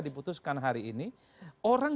diputuskan hari ini orang